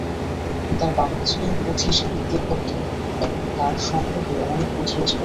তাঁর বাবাও ছিলেন পুঁথি সাহিত্যের ভক্ত এবং তাঁর সংগ্রহে অনেক পুঁথিও ছিল।